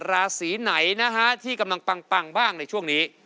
ราศีไหนนะฮะที่กำลังปังบ้างในช่วงนี้